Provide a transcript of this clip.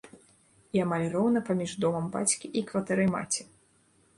І амаль роўна паміж домам бацькі і кватэрай маці.